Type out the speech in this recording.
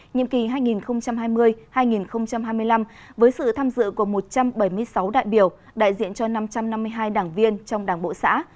nhiệm kỳ hai nghìn hai mươi hai nghìn hai mươi năm với sự tham dự của một trăm bảy mươi sáu đại biểu đại diện cho năm trăm năm mươi hai đảng viên trong đảng bộ xã